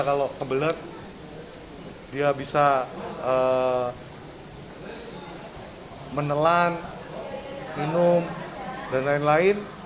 kalau kebelet dia bisa menelan minum dan lain lain